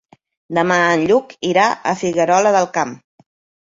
Demà en Lluc irà a Figuerola del Camp.